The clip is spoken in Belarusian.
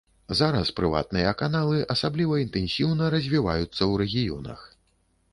Зараз прыватныя каналы асабліва інтэнсіўна развіваюцца ў рэгіёнах.